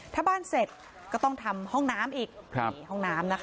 ถ้าบ้านเสร็จก็ต้องทำห้องน้ำอีกห้องน้ำนะคะ